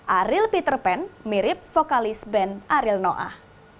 ariel peter pan mirip vokalis band ariel noah